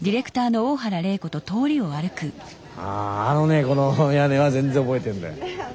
ああのねこの屋根は全然覚えてるんだよ。